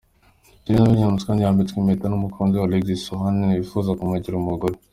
Serena Williams kandi yambitswe impeta n'umukunzi we Alexis Ohanian wifuza kumugira umugore.